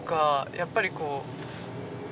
やっぱりこううん。